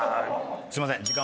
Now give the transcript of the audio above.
すいません。